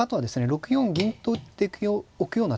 ６四銀と打っておくような手もありますね。